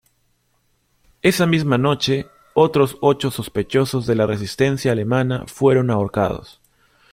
Esa misma noche otros ocho sospechosos de la resistencia alemana fueron ahorcados.